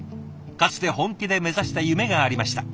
かつて本気で目指した夢がありました。